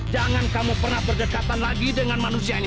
jangan kamu pernah berdekatan lagi dengan manusia ini